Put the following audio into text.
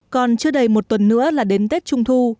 còn chưa đầy một tuần nữa là đến tết trung thu